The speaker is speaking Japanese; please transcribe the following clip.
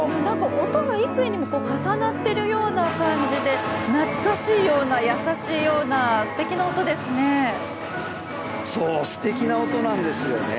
音が幾重にも重なっているような感じで懐かしいような優しいような素敵な音ですね。